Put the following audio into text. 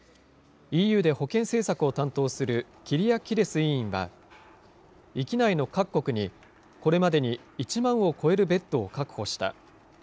ＥＵで保健政策を担当するキリアキデス委員は、域内の各国にこれまでに１万を超えるベッドを確保した。